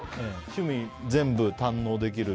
趣味、全部堪能できる。